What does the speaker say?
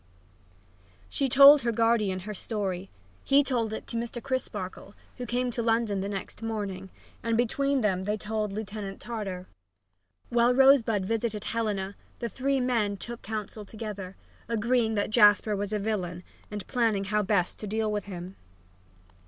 She told her guardian her story, he told it to Mr. Crisparkle, who came to London next morning, and between them they told Lieutenant Tartar. While Rosebud visited with Helena the three men took counsel together, agreeing that Jasper was a villain and planning how best to deal with him.